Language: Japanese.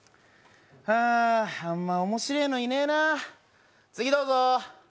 あ、あんま面白えのいねえな、次どうぞ。